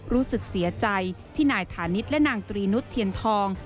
รู้สึกเสียใจที่นายฐานิษฐ์และนางตรีนุษย์เทียนทอง